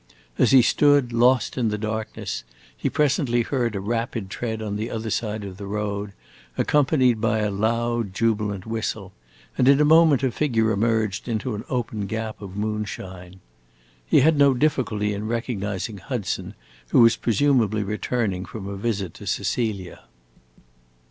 As he stood, lost in the darkness, he presently heard a rapid tread on the other side of the road, accompanied by a loud, jubilant whistle, and in a moment a figure emerged into an open gap of moonshine. He had no difficulty in recognizing Hudson, who was presumably returning from a visit to Cecilia.